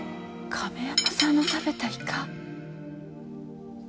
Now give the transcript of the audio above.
亀山さんが食べたイカ。